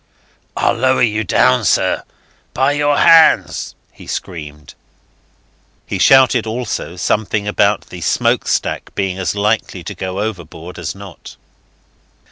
"I'll lower you down, sir, by your hands," he screamed. He shouted also something about the smoke stack being as likely to go overboard as not.